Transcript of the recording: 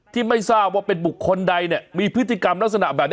ที่ไม่ทราบว่าเป็นบุคคลใดมีพฤติกรรมลักษณะแบบนี้